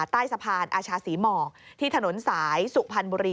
ใต้สะพานอาชาศรีหมอกที่ถนนสายสุพรรณบุรี